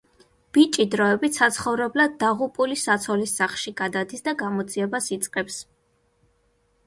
ბიჭი დროებით საცხოვრებლად დაღუპული საცოლის სახლში გადადის და გამოძიებას იწყებს.